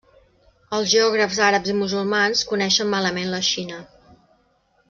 Els geògrafs àrabs i musulmans coneixen malament la Xina.